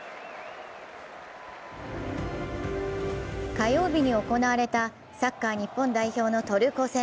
火曜日に行われたサッカー日本代表のトルコ戦。